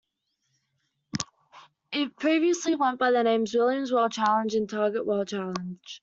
It previously went by the names Williams World Challenge and Target World Challenge.